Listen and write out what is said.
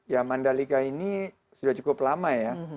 ya mandalika ini sudah cukup lama ya